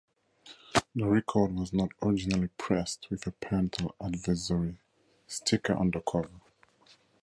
The record was not originally pressed with a Parental Advisory sticker on the cover.